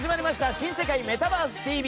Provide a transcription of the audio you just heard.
「新世界メタバースＴＶ！！」